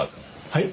はい。